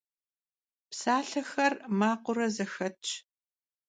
Psalhexer makhıure zexetş.